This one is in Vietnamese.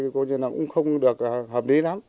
cũng không được hợp lý lắm